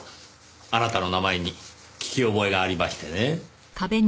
あなたの名前に聞き覚えがありましてねぇ。